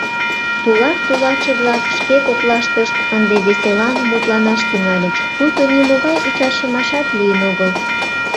Тулар-тулаче-влак шке коклаштышт ынде веселан мутланаш тӱҥальыч, пуйто нимогай ӱчашымашат лийын огыл.